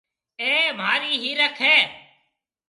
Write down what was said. اَي مهاري هيَرک هيَ۔